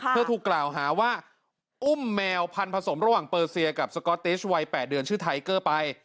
ถูกกล่าวหาว่าอุ้มแมวพันธสมระหว่างเปอร์เซียกับสก๊อตติชวัย๘เดือนชื่อไทเกอร์ไป